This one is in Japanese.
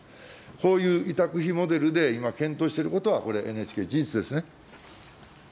こういう委託費モデルで今、検討していることはこれ、ＮＨＫ、事実ですね。